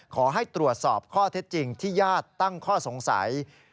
ขอให้ตรวจสอบข้อเท็จจริงที่ญาติตั้งข้อสงสัย